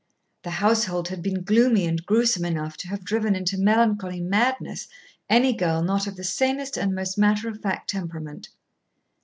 The household had been gloomy and gruesome enough to have driven into melancholy madness any girl not of the sanest and most matter of fact temperament.